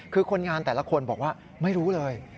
คือคนงานแต่ละคนบอกว่าไม่รู้เลย